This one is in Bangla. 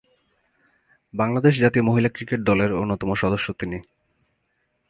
বাংলাদেশ জাতীয় মহিলা ক্রিকেট দলের অন্যতম সদস্য তিনি।